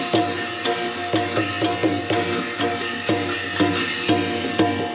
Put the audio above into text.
พบกับพิษณาม๔๓ครับ